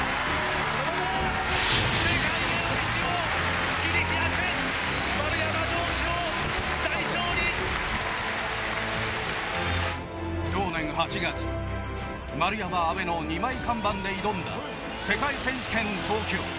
世界一を去年８月丸山、阿部の２枚看板で挑んだ世界選手権、東京。